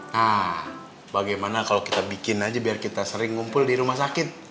nah bagaimana kalau kita bikin aja biar kita sering ngumpul di rumah sakit